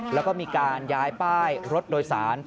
แล้วก็มีการย้ายป้ายรถโดยสาร